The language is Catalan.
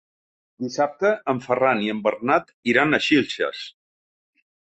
Dissabte en Ferran i en Bernat iran a Xilxes.